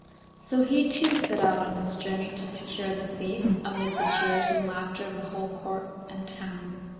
So he too set out on his journey to secure the thief, amid the jeers and laughter of the whole court and town.